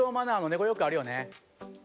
これよくあるよね